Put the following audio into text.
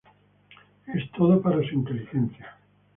Es todo para su inteligencia.